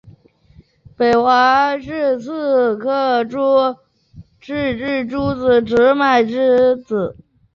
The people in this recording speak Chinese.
北魏华州刺史尔朱买珍之子。